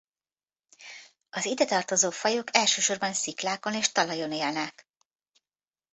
Az idetartozó fajok elsősorban sziklákon és talajon élnek.